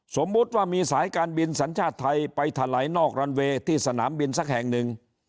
สมมุติว่ามีสายการบินสัญชาติไทยไปถลายนอกรันเวย์ที่สนามบินสักแห่งหนึ่ง